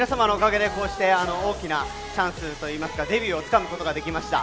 皆様のおかげでこうして大きなチャンスと言いますか、デビューを掴むことができました。